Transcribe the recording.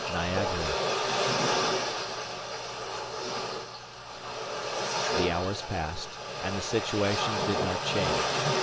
NIAGARA The hours passed, and the situation did not change.